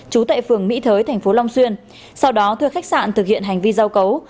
chú tại phường mỹ thới tp long xuyên sau đó thưa khách sạn thực hiện hành vi giao cấu